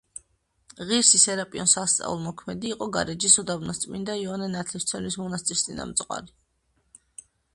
ღირსი სერაპიონ სასწაულთმოქმედი იყო გარეჯის უდაბნოს წმინდა იოანე ნათლისმცემლის მონასტრის წინამძღვარი.